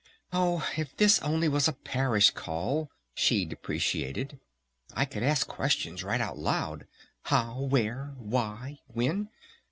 "Oh, if this only was a Parish Call," she deprecated, "I could ask questions right out loud. 'How? Where? Why? When?'